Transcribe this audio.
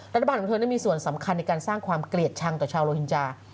รัฐบาลของเธอนั้นมีส่วนสำคัญในการสร้างความเกลียดชังต่อชาวโลหินจา